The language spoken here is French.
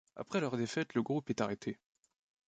Après leur défaite le groupe est arrêté.